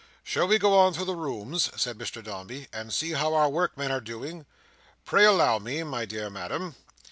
"Shall we go on through the rooms," said Mr Dombey, "and see how our workmen are doing? Pray allow me, my dear madam."